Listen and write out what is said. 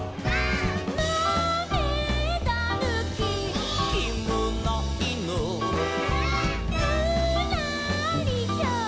「まめだぬき」「」「きむないぬ」「」「ぬらりひょん」